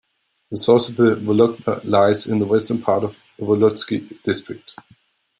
The source of the Vologda lies in the western part of Vologodsky District.